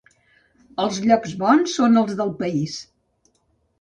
Els llocs bons són els del país.